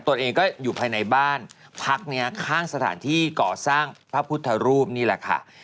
ตัวเองก็อยู่ภายในบ้านพักนี้ข้างสถานที่ก่อสร้างพระพุทธรูปนี่แหละค่ะ